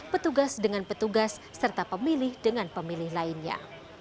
petugas dengan petugas serta pemilih dengan pemilih lainnya